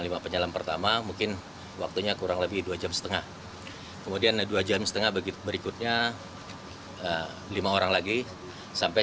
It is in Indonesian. selama menyelam mereka berfokus untuk mencari penumpang dan serpihan pesawat